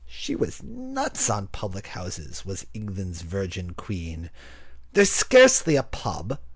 She was nuts on public houses, was England's Virgin Queen. There's scarcely a pub.